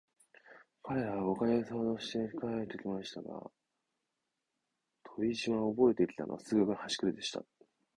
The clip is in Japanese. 彼等は五ヵ月ほどして帰って来ましたが、飛島でおぼえて来たのは、数学のはしくれでした。